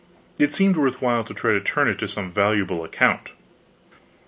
It seemed worth while to try to turn it to some valuable account.